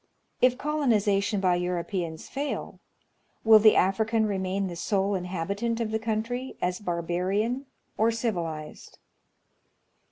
If colonization by Europeans fail, will the African remain the sole inhabitant of the country as barbarian or civilized